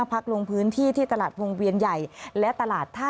พื้นที่ที่ตลาดภูเวียนใหญ่และตลาด